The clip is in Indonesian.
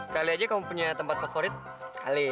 kali aja kamu punya tempat favorit ali